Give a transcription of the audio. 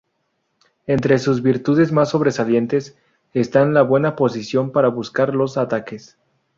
Entre sus virtudes más sobresalientes están la buena posición para buscar los ataques.